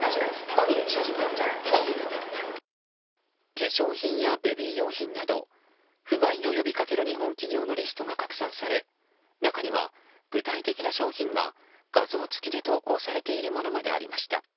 化粧品やベビー用品など不買を呼びかける日本企業のリストが拡散され中には、具体的な商品が画像付きで投稿されているものまでありました。